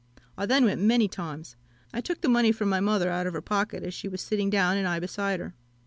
I then went many times. I took the money from my mother out of her pocket as she was sitting down, and I beside her.